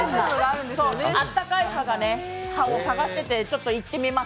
あったかい葉を探していて、今度行ってみます。